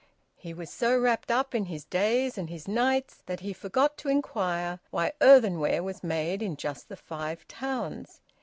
He was so wrapped up in his days and his nights that he forgot to inquire why earthenware was made in just the Five Towns.